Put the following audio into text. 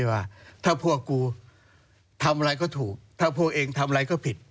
ว่าถ้าพวกกูทำอะไรก็ถูกถ้าพวกเองทำอะไรก็ผิด